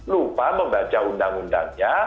lupa membaca undang undangnya